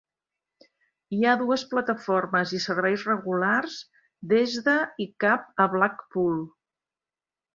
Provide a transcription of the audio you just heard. Hi ha dues plataformes i serveis regulars des de i cap a Blackpool.